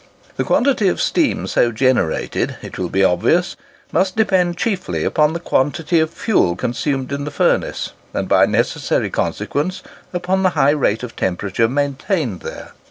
The quantity of steam so generated, it will be obvious, must depend chiefly upon the quantity of fuel consumed in the furnace, and by necessary consequence, upon the high rate of temperature maintained there.